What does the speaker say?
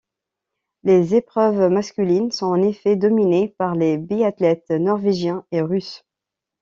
Les épreuves masculines sont en effet dominées par les biathlètes norvégiens et russes.